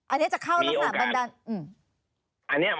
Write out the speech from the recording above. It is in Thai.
อันนี้จะเข้าลักษณะบันดาลมีโอกาส